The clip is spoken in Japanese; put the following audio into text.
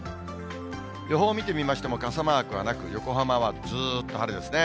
予報を見てみましても、傘マークはなく、横浜はずっと晴れですね。